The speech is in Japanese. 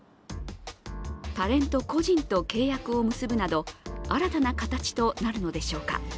タレント個人と契約を結ぶなど新たな形となるのでしょうか。